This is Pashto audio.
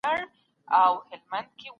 بې واکي انسان د ناهيلۍ لوري ته بيي.